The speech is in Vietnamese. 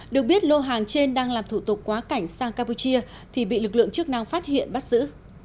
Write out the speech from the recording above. được biết lô hàng trên đang làm thủ tục quá cảnh sang campuchia thì bị lực lượng chức năng phát hiện bắt giữ